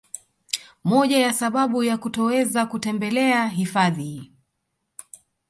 Moja ya sababu ya kutoweza kutembelea hifadhi